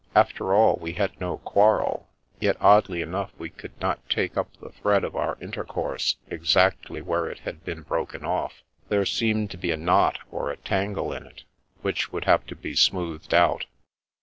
After all, we had no quarrel, yet oddly enough we could not take up the thread of our intercourse exactly where it had been broken off. There seemed to be a knot or a tangle in it, which would have to be smoothed out.